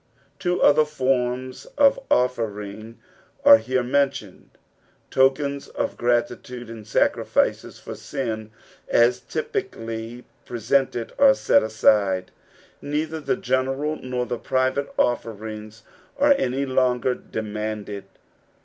'^ Two other forms of offering are here mentioned ; tokens of gratitnde and sacrillces for sin aa typically pre< sented are set aside \ neither the general nor the private offering are any longer demanded.